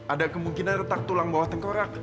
ada kemungkinan retak tulang bawah tengkorak